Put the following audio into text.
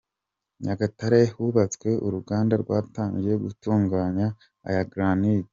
Nyagatare hubatswe uruganda rwatangiye gutunganya aya Granite.